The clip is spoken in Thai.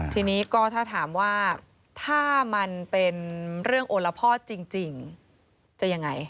ทีนี้ก็ถ้าถามว่าถ้ามันเป็นเรื่องโอละพ่อจริงจะยังไง